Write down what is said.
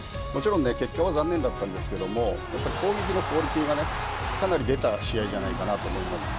結果は残念だったんですが攻撃のクオリティーがかなり出た試合じゃないかと思います。